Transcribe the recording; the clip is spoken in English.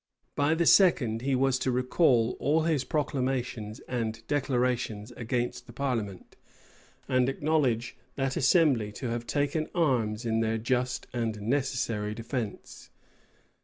By the second, he was to recall all his proclamations and declarations against the parliament, and acknowledge that assembly to have taken arms in their just and necessary defence.